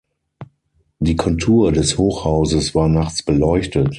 Die Kontur des Hochhauses war nachts beleuchtet.